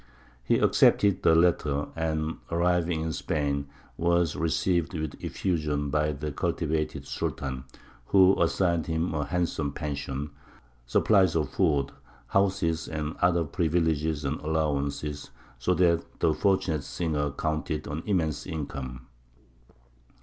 He accepted the latter; and, arriving in Spain, was received with effusion by the cultivated Sultan, who assigned him a handsome pension, supplies of food, houses, and other privileges and allowances, so that the fortunate singer counted an immense income.